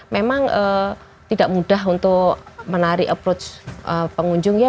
memang tidak mudah untuk menarik approach pengunjung ya